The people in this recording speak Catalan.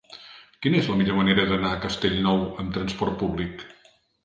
Quina és la millor manera d'anar a Castellnou amb transport públic?